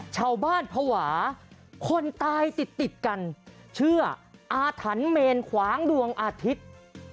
ชาวบ้านภาวะคนตายติดติดกันเชื่ออาถันเมนขวางดวงอาทิตย์